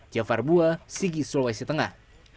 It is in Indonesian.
jafar bua sigi sulawesi tengah